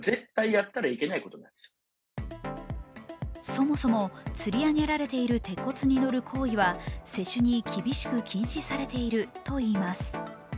そもそもつり上げられている鉄骨に乗る行為は施主に厳しく禁止されているといいます。